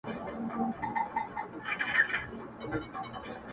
• ما ترې گيله ياره د سترگو په ښيښه کي وکړه ـ